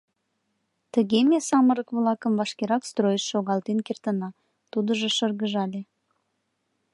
— Тыге ме самырык-влакым вашкерак стройыш шогалтен кертына, — тудыжо шыргыжале.